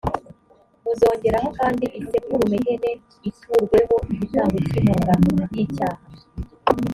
muzongeraho kandi isekurume y’ihene iturweho igitambo cy’impongano y’icyaha